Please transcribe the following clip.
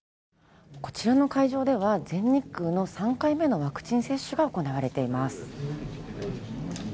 こちらの会場では全日空の３回目のワクチン接種が行われています。